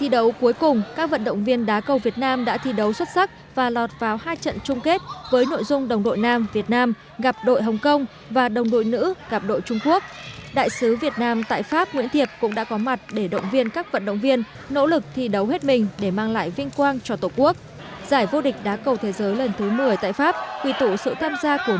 đội tuyển đá cầu việt nam đã thi đấu xuất sắc giành được năm huy chương vàng trong tổng số bảy nội dung thi đấu của giải và hai huy chương bạc giữ vững ngôi nhất toàn đoàn như mục tiêu đã đề ra